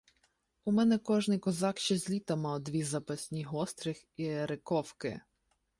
У мене кожний козак ще з літа мав дві запасні гострих иере- ковки.